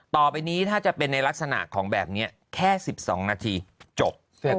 ต่อไปนี้ถ้าจะเป็นในลักษณะของแบบนี้แค่๑๒นาทีจบ